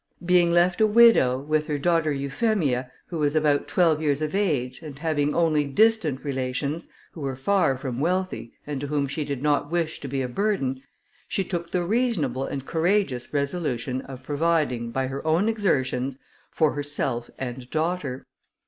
Being left a widow, with her daughter Euphemia, who was about twelve years of age, and having only distant relations, who were far from wealthy, and to whom she did not wish to be a burden, she took the reasonable and courageous resolution of providing, by her own exertions, for herself and daughter.